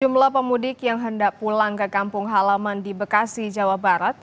jumlah pemudik yang hendak pulang ke kampung halaman di bekasi jawa barat